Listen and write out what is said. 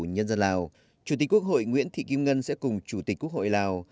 nhân dân lào chủ tịch quốc hội nguyễn thị kim ngân sẽ cùng chủ tịch quốc hội lào